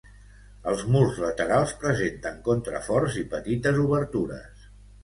Els murs laterals presenten contraforts i petites obertures.